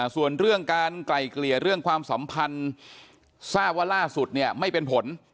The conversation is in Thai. ส่วนเรื่องการไกล่เกลี่ยเรื่องความสัมพันธ์ทราบว่าล่าสุดเนี่ยไม่เป็นผล